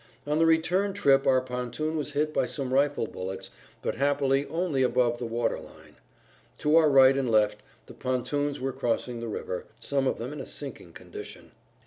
On the return trip our pontoon was hit by some rifle bullets, but happily only above the[Pg 47] water line. To our right and left the pontoons were crossing the river, some of them in a sinking condition.